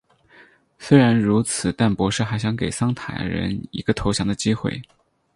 虽然如此但博士还想给桑塔人一个投降的机会。